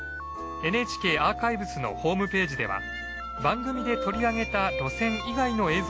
ＮＨＫアーカイブスのホームページでは番組で取り上げた路線以外の映像もご覧頂けます。